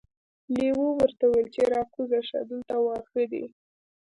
لیوه ورته وویل چې راکوزه شه دلته واښه دي.